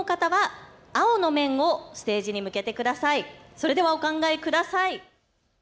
それではお考えください。